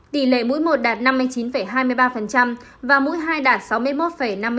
tỷ lệ mũi một đạt năm mươi chín hai mươi ba và mũi hai đạt sáu mươi một năm mươi sáu